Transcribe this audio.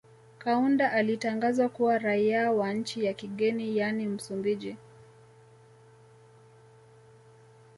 Kaunda alitangazwa kuwa raia wa nchi ya kigeni yaani Msumbiji